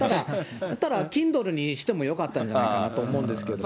ただキンドルにしてもよかったんじゃないかなと思うんですけどね。